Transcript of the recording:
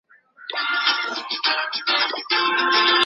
与万树友善。